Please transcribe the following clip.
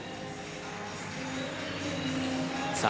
さあ